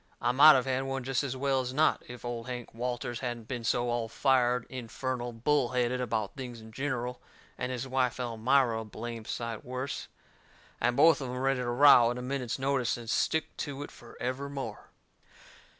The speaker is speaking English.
I might of had one jest as well as not if Old Hank Walters hadn't been so all fired, infernal bull headed about things in gineral, and his wife Elmira a blame sight worse, and both of em ready to row at a minute's notice and stick to it forevermore.